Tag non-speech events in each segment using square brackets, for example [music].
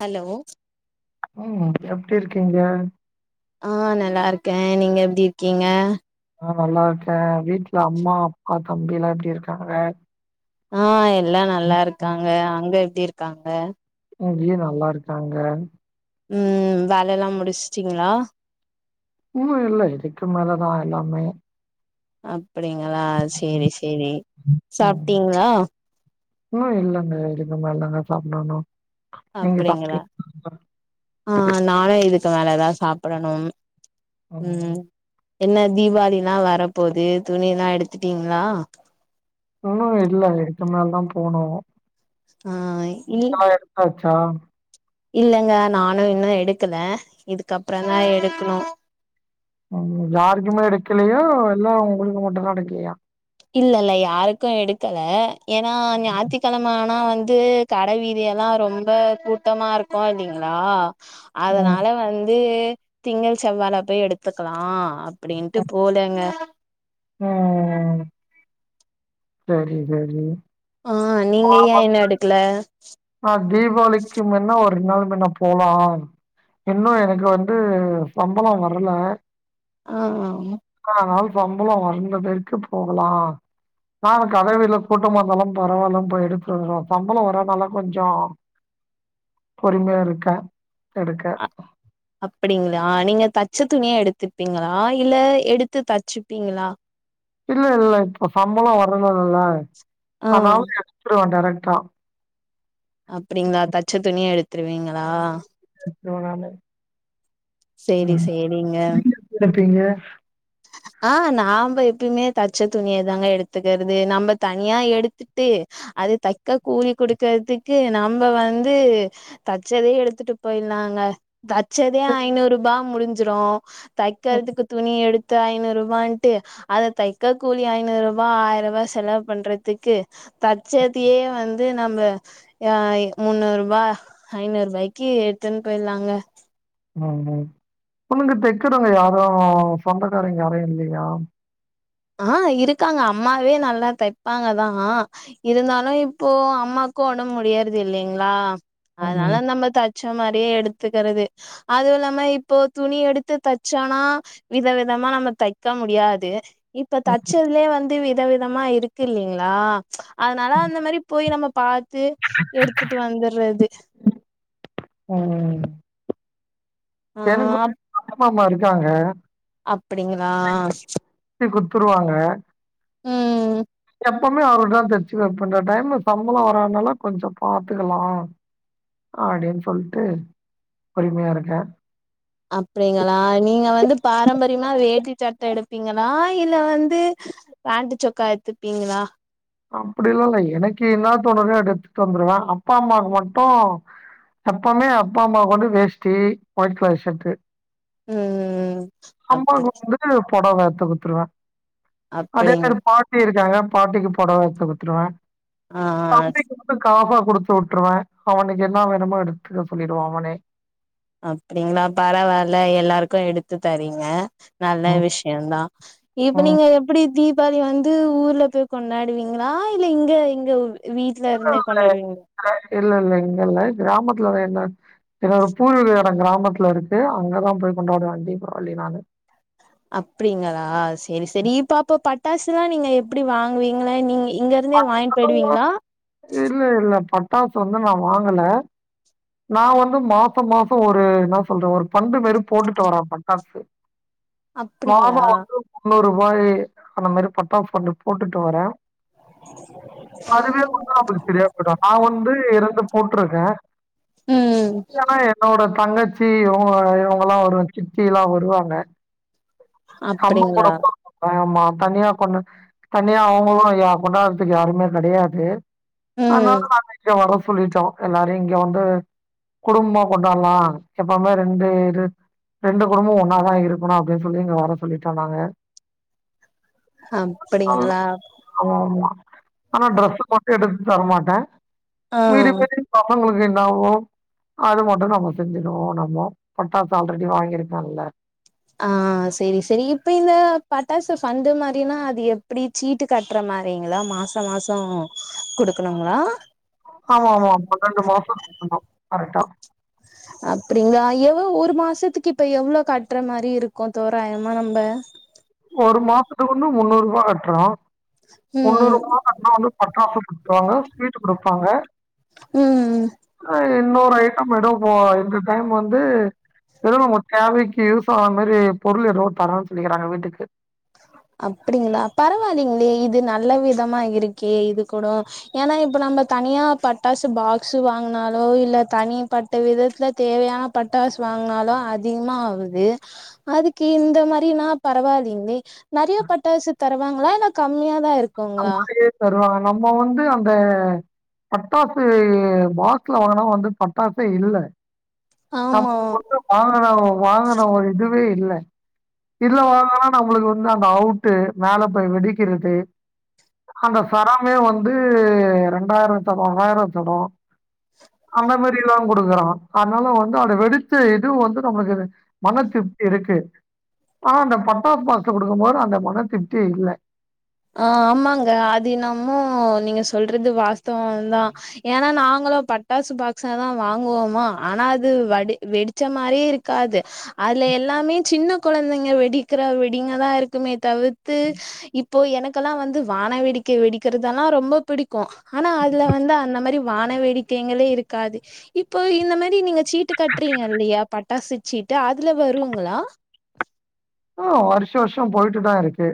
Hello ம் எப்டி இருக்கீங்க ஆ நல்லாருக்க நீங்க எப்டி இருக்கீங்க ஆ நல்லாருக்கே வீட்ல அம்மா அப்பா தம்பி எல்லா எப்டிருக்காங்க ஆ எல்லா நல்லாருக்காங்க அங்க எப்டி இருக்காங்க இங்கயு நல்லாருக்காங்க ம் வேல எல்லா முடிச்ட்டிங்களா இன்னு இல்ல இதுக்கு மேலதா எல்லாமே அப்டிங்களா செரி செரி சாப்ட்டிங்களா இன்னு இல்லங்க இதுக்கு மேல தாங்க சாப்டணு அப்டிங்களா ஆ நானு இதுக்கு மேலதா சாப்டணு ம் என்ன தீபாவளிலா வரபோது துணில்லா எடுத்துட்டீங்களா உன்னு இல்ல இதுக்கு மேல தா போனு அஹ் [unintelligible] எடுத்தாச்சா இல்லங்க நானு இன்னு எடுக்கல இதுக்கப்பறோ தா எடுக்கணு யாருக்குமே எடுக்கலையோ இல்ல உங்களுக்கு மட்டுதா எடுக்கலையா இல்ல இல்ல யாருக்கு எடுக்கல ஏன்னா ஞாத்திகெழம ஆனா வந்து கட வீதியெல்லா ரொம்ப கூட்டமா இருக்கு இல்லைங்ளா ம். அதனால வந்து திங்கள் செவ்வாய்ல போய் எடுத்துக்கலா அப்டின்ட்டு போலங்க ம்ம்ம் சரி சரி அஹ் நீங்க ஏ இன்னு எடுக்கல அ தீபாவளிக்கு முன்ன ஒரு நாள் முன்ன போலா இன்னு எனக்கு வந்து சம்பளோ வரல அ அதனால சம்பளோ வந்த பிற்க்கு போகலா நா கடவிதியீல கூட்டமா இருந்தாலு பரவால்ல போய் எடுத்து வந்துருவோ சம்பளோ வரானால கொஞ்சோ பொறுமியா இருக்க எடுக்க அ அப்டிங்கலா நீங்க தச்ச துணிய எடுத்துப்பீங்கலா இல்ல எடுத்து தச்சுப்பிங்லா இல்ல இல்ல இப்ப சம்பளோ வரலல்ல ஆ அதனால எடுத்துருவ டேரக்டா அப்டிங்களா தச்ச துணியே எடுத்துருவீங்களா எத்துருவனாமே சேரி சேரிங்க கூட பீங்க ஆ நாம்ப எப்பயுமே தச்ச துணிய தாங்க எடுத்துக்கறது நம்ம தனியா எடுத் த்துட்டு அத தைக்க கூலி குடுக்குறதுக்கு நம்ப வந்து தச்சதே எடுத்துட்டு போயிர்லாங்க தச்சதே ஐநூறு ருபா முடிஞ்சுரு தைக்கறதுக்கு துணி எடு இது ஐநூறு ரூபான்ட்டு அத தைக்க கூலி ஐநூறு ரூபா ஆயிரம் ரூபா செலவு பண்றதுக்கு தச்சதையே வந்து நம்ம ஆ முன்னூறு ரூபா ஐநூறு ரூபாய்க்கு எடுத்துன்னு போயிரலாங்க உம் உம் உனக்கு தைக்குறவுங்க யாரும் சொந்தக்காரங்க யாரும் இல்லையா ஆ இருக்காங்க அம்மாவே நல்லா தைப்பாங்க தா இருந்தாலு இப்போ அம்மாக்கு உடம்பு முடியிறது இல்லைங்களா ம், அதனால நம்ம தச் ச்ச மாரியே எடுத்துக்குறது அதுவு இல்லாம இப்போ துணி எடுத்து தச்சோனா வித விதமா நம்ம தைக்க முடியாது இப்ப தச்சதுலே வந்து விதவிதமா இருக்கு இல்லைங்களா அதனால அந்த மாரி போய் நம்ம பாத்து எடுத்துட்டு வந்துறது உம் ஆ எனக்கு அம்மாம்மா இருக்காங்க அப்படிங்களா தச்சு குடுத்துருவாங்க. உம் எப்பவுமே அவருட்டதா தச்சு வப்ப இந்த டைம் சம்பளம் வராதனால கொஞ்சோ பாத்துக்கலா அப்டின் சொல்ட்டு பொறுமையா இருக்கே அப்படிங்களா நீங்க வந்து பாரம்பரியமா வேட்டி சட்ட எடுப்பீங்களா இல்ல வந்து பேண்டு சொக்கா எடுத்துப்பீங்களா அப்படிலா இல்ல எனக்கு என்ன தோணுதோ எடுத்துட்டு வந்துருவ அப்பா அம்மாக்கு மட்டும் எப்பவுமே அப்பா அம்மாக்கு வந்து வேஷ்டி வொயிட் கலர் ஷர்ட்டு ம் ஆம்மாக்கு அப்படி வந்துட்டு புடவே எடுத்து குடுத்துருவ அதே அப்படிங் மாரி பாட்டி இருக்காங்க பாட்டிக்கு புடவ எடுத்து குடுத்துருவ ஆ தம்பிக்கு மட்டு காசா குடுத்து விட்டுருவ அவனுக்கு என்ன வேணுமோ எடுத்துக்க சொல்லிடுவோ அவனே அப்படிங்களா பரவாயில்ல எல்லாருக்கு எடுத்து தரீங்க நல்ல ம் விஷயம் தா இப்ப ம் நீங்க எப்படி தீபாவளி வந்து ஊர்ல போய் கொண்டாடுவீங்களா இல்ல இங்க இங்க வீட்ல இருந்தே கொண்டாடுவீங்களா இல்ல இல்ல இங்க இல்ல கிராமத்துலதா என்ன ஏன்னா பூர்வ கிராமத்துல இருக்கு அங்க தா போய் கொண்டாடுவ தீபாவளி நானு அப்படிங்களா செரி செரி இப்ப அப்ப பட்டாசு எல்லா நீங்க எப்படி வாங்குவீங்களா நீங்க இங்க இருந்தே வாங்கி போயிடுவீங்களா இல்ல இல்ல பட்டாசு வந்து நா வாங்கல நா வந்து மாசம் மாசம் ஒரு என்ன சொல்ற ஒரு பண்டு மாரி போட்டுட்டு வரே பட்டாசு மாதம் அப்படிங்களா வந்து முன்னூறு ரூபாய் அந்த மாரி பட்டாசு பண்டு போட்டுட்டு வரே [inaudible] அதுவே கொடுதா சரியா போயிடு நா வந்து இரண்டு போட்ருக்கே ம் ஏன்னா என்னோட தங்கச்சி இவுங்க இவுங்க எல்லா ஒரு சித் திலா வருவாங்க அம்மா கூட அப்படிங்களா பொறந்த ஆமா தனியா கொண்டு தனியா அவுங்களு கொண்டாடுறதுக்கு யாருமே கிடையாது அதனால ம் நாங்க இங்க வர சொல்லிட்டோ எல்லாரையு இங்க வந்து குடும்பமா கொண்டாடலா எப்பவுமே ரெண்டு இது ரெண்டு குடும்பம் ஒன்னாதா இருக்கணு அப்படின் சொல்லி இங்க வர சொல்லிட்டோ நாங்க அப்படிங்களா ஆமா ஆமா ஆனா ட்ரெஸ்சு மட்டு எடுத்து தரமாட்டே ஆ [unintelligible] பசங்களுக்கு என்ன ஆகு அது மட்டு நம்ம செஞ்சுருவோ நம்மோ பட்டாசு ஆல்ரெடி வாங்கி இருக்கேம்ல்ல ஆ செரி செரி இப்ப இந்த பட்டாசு ஃபண்டு மாரினா அது எப்டி சீட்டு கட்டுற மாரிங்ளா மாச மாச குடுக்கணுங்ளா ஆமாம்மா பன்னெண்டு மாச கட்டனு கரெக்டா அ அப்டிங்களா எவ்வோ ஒரு மாசத்துக்கு இப்ப எவ்ளோ கட்டுற மாரி இருக்கு தோராயமா நம்ப ஒரு மாசத்துக்கு ஒன்னு முன்னூறு ரூபா கட்டுறோ முன்னூறு ம் ரூபா கட்னாலு பட்டாசு குடுத்துருவாங்க ஸ்வீட் குடுப்பாங்க ம் இன்னொரு ஐட்டம் ஏதோ போ இந்த டைம் வந்து எதோ நங்க தேவைக்கு யூஸ் ஆகுர மாரி பொருள் எதோ தரேன்னு சொல்லிக்கிறாங்க வீட்டுக்கு அப்டிங்ளா பரவாயில்லிங்ளே இது நல்ல விதமா இருக்கே இது கூட ஏன்னா இப்ப நம்ம தனியா பட்டாசு பாக்ஸ் வாங்கினாலோ இல்ல தனி பட் ட்ட விதத்துல தேவையான பட்டாசு வாங்கினாலு அதிகமா ஆகுது அதுக்கு இந்த மாரினா பரவாயில்லிங்ளே நெறைய பட்டாசு தருவாங்ளா இல்ல கம்மியா தா இருக் ஆமா நெறைய தருவாங்க நம்ம வந்து அந்த பட்டாசு பாக்ஸ்ல வாங்கினா வந்து பட்டாசே இல்ல ஆ [unintelligible] வாங்கின வாங்கின ஒரு இதுவே இல்ல இதுல வாங்குனா நம்மளுக்கு வந்து அங்க அவுட்டு மேல போய் வெடிக்கிறது அந்த சரமே வந்து ரெண்டாயிரோ சரோ ஆயிரோ சரோ அந்த மாரில்லா குடு க்கறாங்க அதனால வந்து அத வெடிச்ச இதுவு வந்து நம்மளுக்கு மன திருப்தி இருக்கு ஆனா அந்த பட்டாசு பாக்ஸ் குடுக்கும்போது அந்த மன திருப்த்தியே இல்ல ஆ ஆமாங்க அதுயென்னம்மோ நீங்க சொல்றது வாஸ்தவம் தா ஏன்னா நாங்களு பட்டாசு பாக்ஸாதா வாங்குவோம ஆனா அது வடி வெடி ச்ச மாரியே இருக்காது அதுல எல்லாமே சின்ன கொழந்தைங்க வெடிக்கிற வெடிங்கதா இருக்குமே தவித்து இப் இப்போ எனக்கெல்லா வந்து வான வெடிக்கை வெடிக்கிறதெல்லா ரொம்ப பிடிக்கு ஆனா அதுல வந்து அந்த மாரி வான வேடிக்கைகளே இருக்காது இப்போ இந்த மாரி நீங்க சீட்டு கட்டுறீங்க இல்லியா பட்டாசு சீட்டு அதுல வருங்ளா ஆ வருஷ வருஷோ போயிட்டு தா இருக்கு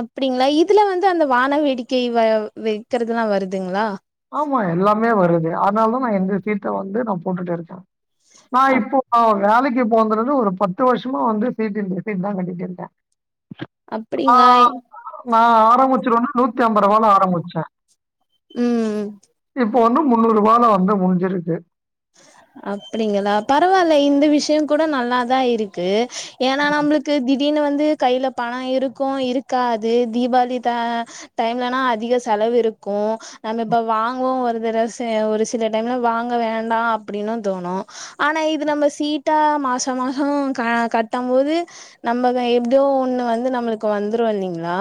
அப்டிங்களா இதுல வந்து அந்த வான வேடிக்கை வ வைக்கிறது எல்லா வருதுங்ளா ஆமா எல்லாமே வருது அதனாலதா நா இந்த சீட்ட வந்து நா போட்டுட்டே இருக்க நா ஆ இப்போ வேலைக்கு போறதுல ஒரு பத்து வருஷமா வந்து சீட்டு் இந்த சீட் தா கட்டிட்டு இருக்கே ஆ அப்டிங்களா நா ஆரம்பிச்சிருவனா நூத்தி ஐம்பரூவால ஆரம்பிச்சே ம் இப்ப வந்து முன்னூறு ரூவால வந்து முடிஞ்சிருது அப்டிங்களா பரவால இந்த விஷயோ கூட நல்லாதா இருக்கு ஏன்னா நம்மளுக்கு தி திடீர்னு வந்து கையில பனோ இருக்கு இருக்காது தீபாளி தா டைம்லனா அதிக செலவு இருக்கு நம்ம இப்ப வாங்குவோ ஒரு தடவ சே ஒரு சில டைம்ல வாங்க வேண்டா அப்டின்னு தோனு ஆனா இது நம்ம சீட்டா மாச மாசோ கட்டம் போது நம்மவே ஏதோ ஒண்ணு வந்து நம்மளுக்கு வந்துரு இல்லிங்ளா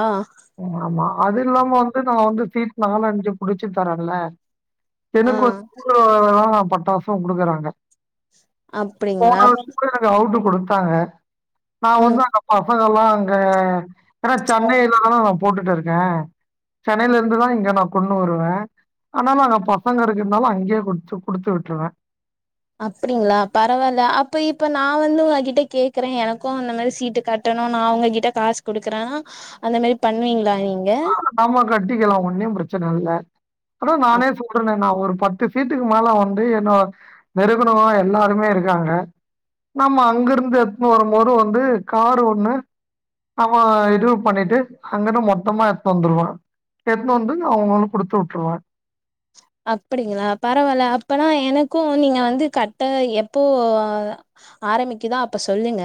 ம் ஆமா அது இல்லாம வந்து நா வந்து சீட் நாலு அஞ்சு புடிச்சு தரேன்ல ஆ எனக்கும் கூடதா பட்டாசும் குடுக்குறாங்க போன அப்டிங்களா வருஷோ கூட எனக்கு அவுட்டு குடுத்தாங்க நா ம் வந்து அங்க பசங்கல்லா அங்க ஏன்னா சென்னையிலதான நா போட்டுட்டு இருக்கே சென்னையில இருந்துதா இங்க நா கொண்டு வருவ ஆனா நா அங்க பசங்க இருக்குறனால அங்கயே குடுத்து குடுத்து விட்டுருவ அப்புடிங்களா பரவால்ல அப்ப இப்ப நா வந்து உங்ககிட்ட கேக்குறே எனக்கும் அந்த மாரி சீட்டு கட் ஏனா நா உங்க கிட்ட காசு குடுக்குறனா அந்த மாரி பண்ணுவீங்களா நீங்க ஆமா கட்டிக்கலா ஒன்னும் பிரச்சன இல்ல அதா நானே அப் சொல்றனே நா ஒரு பத்து சீட்டுக்கு மேல வந்து என்னோ வெறுக்குறவுங்க எல்லாருமே இருக்காங்க நம்ம அங்க இருந்து எடுத்துன்னு வரும்போது வந்து காரு ஒண்ணு அவ இது பண்ணிட்டு அங்கதா மொத் த்தமா எடுத்துனு வந்துடுவே எடுத்னு வந்து அவுங்களு குடுத்து விட்ருவ அப்படிங்களா பரவால்ல அப்பனா எனக்கும் நீங்க வந்து கட்ட எப்போ ஆரம்பிக்குதோ அப்ப சொல்லுங்க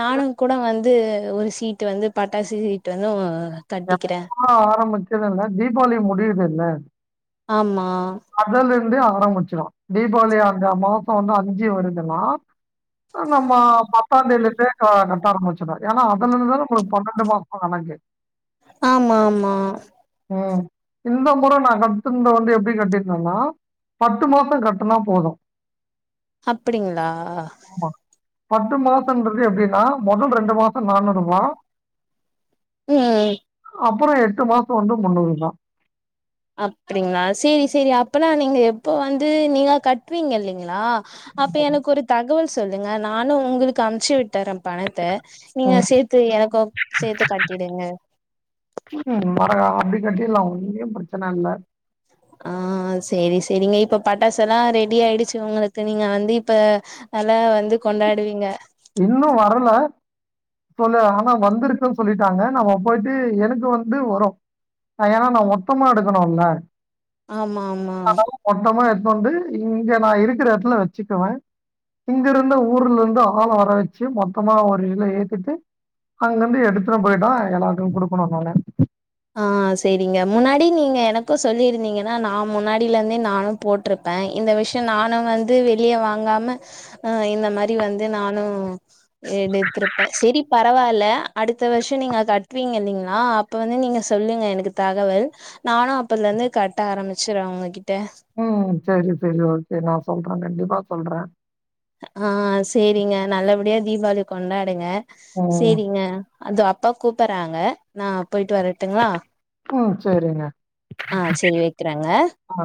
நானு கூட வந்து ஒரு சீட்டு வந்து பட்டாசு சீட் வந்து கட்டிக்கிறே எப்ப ஆரம்பிச்சதுனா தீபாவளி முடியுதுல ஆமா அதல இருந்தே ஆரம்பிச்சிரு தீபாவளி அந்த மாசம் வந்து அஞ்சு வருதுனா நம்ம பத்தா தேதிலருந்தே ஆ கட்ட ஆரம்பிச்சிரனு ஏன்னா அதுல இருந்து தானே உங்களுக்கு பன்னெண்டு மாசோ கணக்கு ஆமா ஆமா ம் இந்த முற நா கட்டுனது வந்து எப்படி கட்டி என்னமா பத்து மாசம் கட்டுனா போது அப்டிங்களா ஆமா பத்து மாசம்ன்றது எப்படின்னா மொதல் ரெண்டு மாசம் நானுறுபா ம் அப்புறோ எட்டு மாசம் வந்து முன்னூறு தா அப்படிங்களா செரி செரி அப்பனா நீங்க எப்போ வந்து நீங்களா கட்டுவீங்க இல்லைங்களா அப்ப எனக்கு ஒரு தகவல் சொல்லுங்க நானு உங்களுக்கு அனுப்ச்சு விட்டுற பணத்த நீங்க சேத்து எனக்கும் சேத்து கட்டிடுங்க உம் மறக்காம அப்படி கட்டிடலா ஒன்னும் பிரச்சன இல்ல ஆ செரி செரிங்க இப்ப பட்டாசு எல்லா ரெடி ஆயிடுச்சு உங்களுக்கு நீங்க வந்து இப்ப நல்லா வந்து கொண்டாடுவீங்க இன்னும் வரல சொல்ல ஆனா வந்துருக்குன் சொல்லிட்டாங்க நம்ம போயிட்டு எனக்கு வந்து வரு நா ஏன்னா மொத்தமா எடுக்கணும்ல ஆமா ஆமா மொத்தமா எடுத்துண் வந்து இங்க நா இருக்குற எடத்துல வச்சுக்குவே இங்க இருந்த ஊர்ல இருந்தும் ஆள வர வச்சு மொத்தமா ஒரு இத ஏத்திட்டு அங்குருந்து எடுத்துட்டு போயிட்டோ எல்லாருக்கு குடுக்கணும் தான ஆ செரிங்க முன்னாடி நீங்க எனக்கும் சொல்லியிருந்தீங்கன்னா நா முன்னாடில இருந்தே நானு போட்ருப்ப இந்த விஷயம் நானும் வந்து வெளிய வாங்காம அ இந்த மாரி வந்து நானு எடுத்திருப்பே செரி பரவாயில்ல அடுத்த வருஷம் நீங்க கட்டுவீங்க இல்லைங்களா அப்ப வந்து நீங்க சொல்லுங்க எனக்கு தகவல் நானு அப்பத்ல இருந்து கட்ட ஆரம்பிச்சிர்றே ஒங்ககிட்ட ம் செரி செரி ஓகே நா சொல்றே கண்டிப்பா சொல்றே ஆ சேரிங்க நல்லபடியா தீபாவளி கொண்டாடுங்க ம். சேரிங்க அதோ அப்பா கூப்டறாங்க நா போயிட்டு வரட்டுங்களா ம். சரிங்க. ஆ செரி வைக்கிறேங்க ஆ